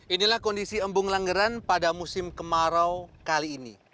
inilah kondisi embung langgeran pada musim kemarau kali ini